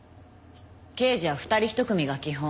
刑事は２人一組が基本。